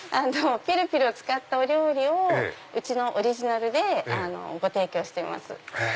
ピルピルを使ったお料理をうちのオリジナルでご提供してます。